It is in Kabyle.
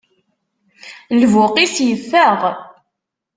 Lbuq-is iffeɣ.